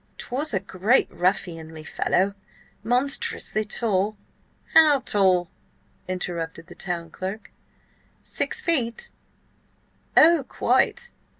"'Twas a great ruffianly fellow, monstrous tall—" "How tall?" interrupted the town clerk. "Six feet?" "Oh, quite!"